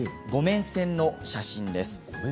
後免線の写真です。